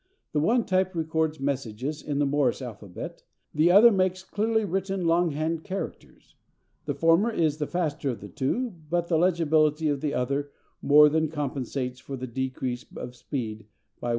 The one type records messages in the Morse alphabet, the other makes clearly written longhand characters. The former is the faster of the two, but the legibility of the other more than compensates for the decrease of speed by one half.